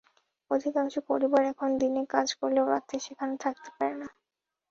অধিকাংশ পরিবার এখন দিনে কাজ করলেও রাতে সেখানে থাকতে পারে না।